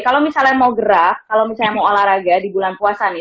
oke kalo misalnya mau gerak kalo misalnya mau olahraga di bulan puasa nih